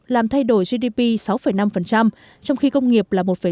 làm thay đổi gdp sáu năm trong khi công nghiệp là một năm